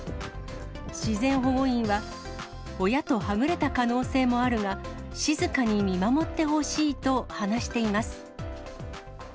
自然保護員は、親とはぐれた可能性もあるが、静かに見守ってほしいと話しています。